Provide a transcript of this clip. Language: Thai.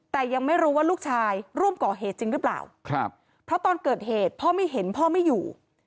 แต่ยังไม่รู้ว่าลูกชายร่วมก่อเหตุจริงหรือเปล่าครับเพราะตอนเกิดเหตุพ่อไม่เห็นพ่อไม่อยู่